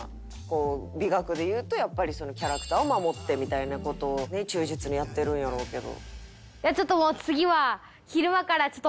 やっぱりキャラクターを守ってみたいな事に忠実にやってるんやろうけど。